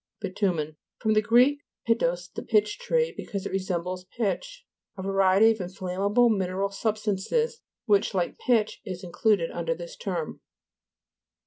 BITU'MEN fr. gr. pitus, the pitch tree ; because it resembles pitch. A variety of inflammable mineral substances,, which, like pitch, is in cluded under this term.